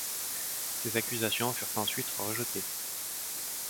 Ces accusations furent ensuite rejetées.